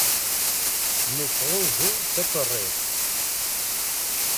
Nettɣunzu takerriḍt.